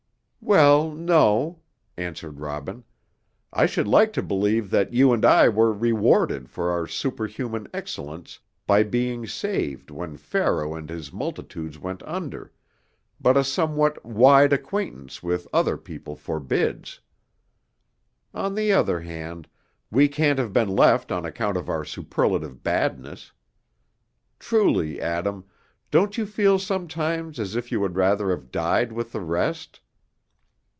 "Well, no," answered Robin. "I should like to believe that you and I were rewarded for our superhuman excellence by being saved when Pharaoh and his multitudes went under, but a somewhat wide acquaintance with other people forbids. On the other hand, we can't have been left on account of our superlative badness. Truly, Adam, don't you feel sometimes as if you would rather have died with the rest?"